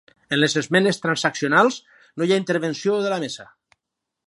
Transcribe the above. En les esmenes transaccionals no hi ha intervenció de la mesa.